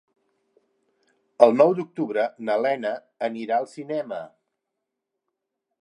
El nou d'octubre na Lena anirà al cinema.